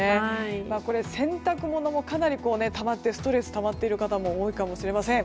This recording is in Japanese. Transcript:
これ、洗濯物もかなりたまってストレスが溜まっている方が多いかもしれません。